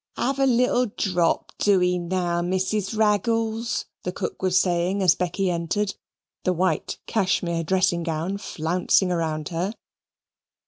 "Have a little drop, do'ee now, Mrs. Raggles," the cook was saying as Becky entered, the white cashmere dressing gown flouncing around her.